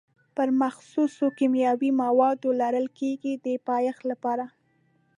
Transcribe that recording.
پر مخصوصو کیمیاوي موادو لړل کېږي د پایښت لپاره.